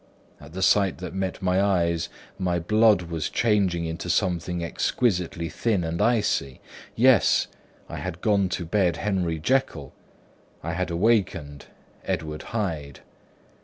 At the sight that met my eyes, my blood was changed into something exquisitely thin and icy. Yes, I had gone to bed Henry Jekyll, I had awakened Edward Hyde.